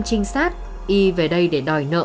trinh sát y về đây để đòi nợ